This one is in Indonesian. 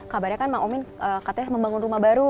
kabarnya kan bang omin katanya membangun rumah baru